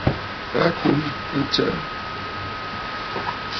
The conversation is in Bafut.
A tum ɨtsə̀ʼə̀.